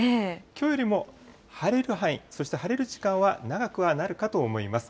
きょうよりも晴れる範囲、そして晴れる時間は長くはなるかと思います。